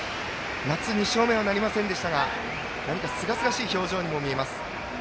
夏２勝目はなりませんでしたが何かすがすがしい表情にも見えます。